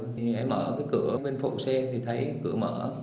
thì hãy mở cái cửa bên phụ xe thì thấy cửa mở